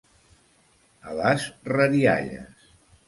A les rerialles.